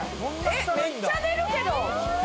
めっちゃ出るけど。